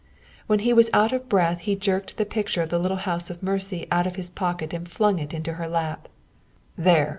When he was out of breath he jerked the picture of the little house of mercy out of his pocket and flung it into her lap. "There!"